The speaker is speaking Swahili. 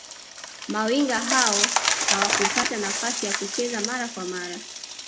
mawinga hao hawakupata nafasi ya kucheza mara kwa mara